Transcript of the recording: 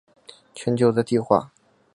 全球在地化。